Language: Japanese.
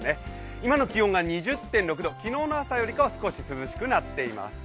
今の気温が２０．６度昨日の朝よりかは少し涼しくなっています。